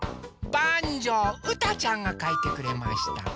ばんじょううたちゃんがかいてくれました。